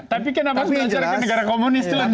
tapi kenapa harus belajar ke negara komunis